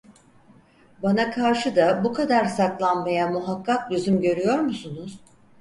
Bana karşı da bu kadar saklanmaya muhakkak lüzum görüyor musunuz?